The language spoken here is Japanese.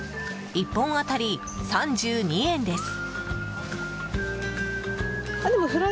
１本当たり３２円です。